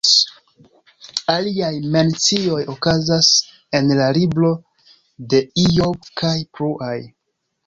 Aliaj mencioj okazas en la libro de Ijob kaj pluaj.